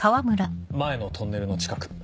前のトンネルの近く。